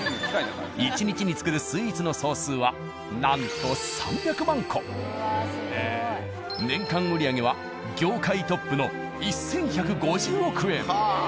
スイーツのなんと年間売り上げは業界トップの１１５０億円。